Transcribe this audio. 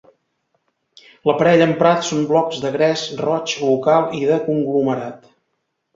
L'aparell emprat són blocs de gres roig local i de conglomerat.